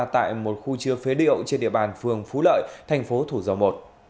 tại một khu chứa phế liệu trên địa bàn phường phú lợi thành phố thủ dầu một